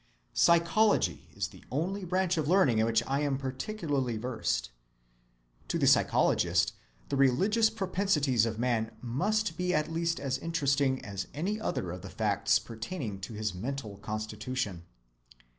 Psychology is the only branch of learning in which I am particularly versed. To the psychologist the religious propensities of man must be at least as interesting as any other of the facts pertaining to his mental constitution.